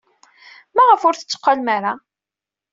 Maɣef ur tetteqqalem ara?